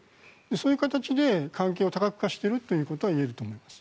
そういう形で関係を多角化しているということはいえると思います。